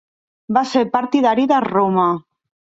Va ser partidari de Roma.